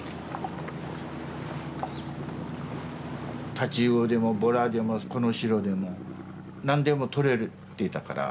太刀魚でもボラでもコノシロでも何でもとれてたから。